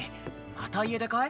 また家出かい？